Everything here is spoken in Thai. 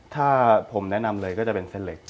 ถ้าผมแนะนำเลยก็จะเป็นเส้นเล็ก